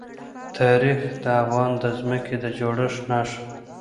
تاریخ د افغانستان د ځمکې د جوړښت نښه ده.